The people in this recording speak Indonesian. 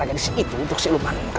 aku putri prabu siliwangi